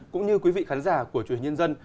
cũng như quý vị khán giả của chủ nhật nhân dân